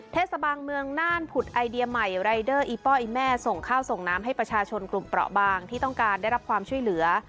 เทศบาลเมืองน่านผุดไอเดียใหม่รายเดอร์อีป้ออีแม่ส่งข้าวส่งน้ำให้ประชาชนกลุ่มเปราะบางที่ต้องการได้รับความช่วยเหลือ